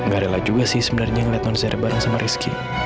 gak rela juga sih sebenarnya ngeliat konser bareng sama rizky